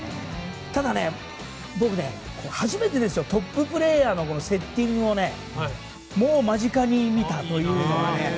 ただ僕、初めてですよトッププレーヤーのセッティングを間近に見たというのはね。